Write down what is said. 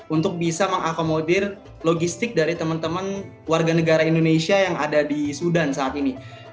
untuk bisa mengakomodir logistik dari teman teman warga negara indonesia yang ada di sudan saat ini